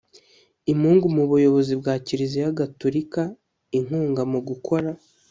Imungu mu buyobozi bwa kiliziya gatolika inkunga mu gukora